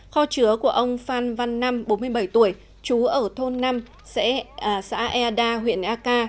kho chứa của ông phan van nam bốn mươi bảy tuổi chú ở thôn năm xã eada huyện eak